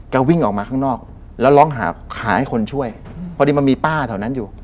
วิ่งออกมาข้างนอกแล้วร้องหาให้คนช่วยพอดีมันมีป้าแถวนั้นอยู่